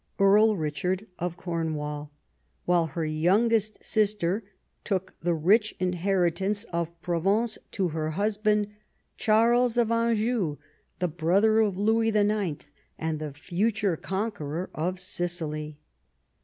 Earl Richard of CornAvall ; while her youngest sister took the rich inheritance of Provence to her husband, Charles of Anjou, the brother of Louis IX. and the future conqueror of Sicily.